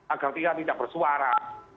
agar tidak bersuara